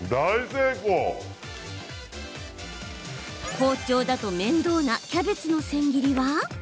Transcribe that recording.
包丁だと面倒なキャベツのせん切りは？